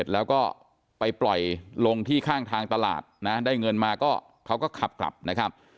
แล้วก็ไปปล่อยลงที่ข้างทางตลาดนะได้เงินมาก็เขาก็ขับกลับนะครับ